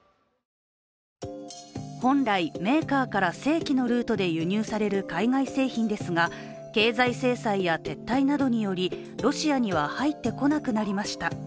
本来メーカーから正規のルートで輸入される海外製品ですが、経済制裁や撤退などによりロシアには入ってこなくなりました。